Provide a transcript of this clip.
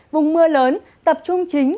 vùng mưa lớn tập trung chính